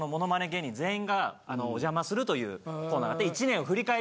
芸人全員がおじゃまするというコーナーで。